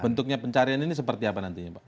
bentuknya pencarian ini seperti apa nantinya pak